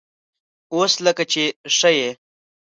_اوس لکه چې ښه يې؟